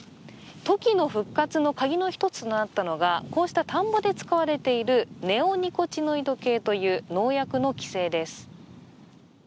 トキの復活のカギの一つとなったのがこうした田んぼで使われているネオニコチノイド系といわれる農薬の規制です。